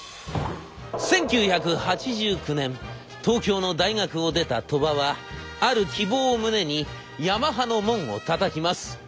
１９８９年東京の大学を出た鳥羽はある希望を胸にヤマハの門をたたきます。